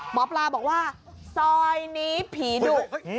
หมอปลาบอกว่าซอยนี้ผีดุ